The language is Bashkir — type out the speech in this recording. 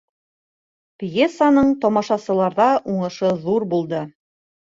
Пьесаның тамашасыларҙа Уңышы ҙур булды